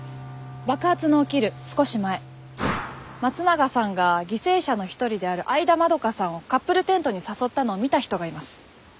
爆発の起きる少し前松永さんが犠牲者の一人である相田まどかさんをカップルテントに誘ったのを見た人がいます。